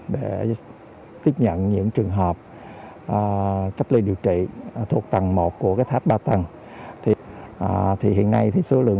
để tiếp nhận những trường hợp cách ly điều trị thuộc tầng một của tháp ba tầng hiện nay thì số lượng